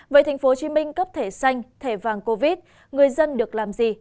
vậy tp hcm cấp thẻ xanh thẻ vàng covid người dân được làm gì